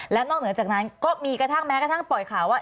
แล้วนอกเหนือจากนั้นก็มีกระทั่งแม้กระทั่งปล่อยข่าวว่า